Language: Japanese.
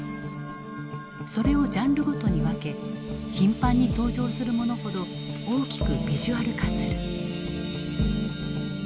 それをジャンルごとに分け頻繁に登場するものほど大きくビジュアル化する。